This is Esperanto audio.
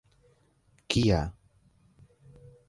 Kia...